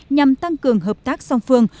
nhằm tăng cường hợp tác song phương